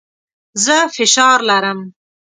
زه فشار لرم.